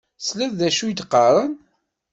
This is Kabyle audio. Tesliḍ d acu i d-qqaṛen?